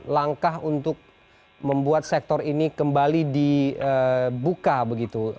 langkah untuk membuat sektor ini kembali dibuka begitu